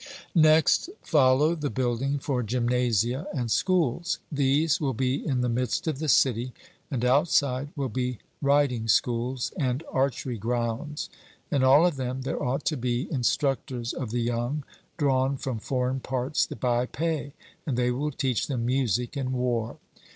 Next follow the building for gymnasia and schools; these will be in the midst of the city, and outside will be riding schools and archery grounds. In all of them there ought to be instructors of the young, drawn from foreign parts by pay, and they will teach them music and war.